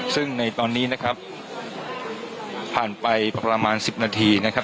ซึ่งในตอนนี้นะครับผ่านไปประมาณ๑๐นาทีนะครับ